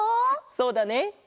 そうだね。